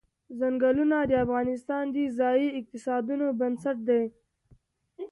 ځنګلونه د افغانستان د ځایي اقتصادونو بنسټ دی.